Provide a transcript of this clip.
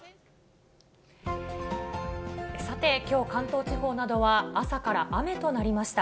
さて、きょう、関東地方などは、朝から雨となりました。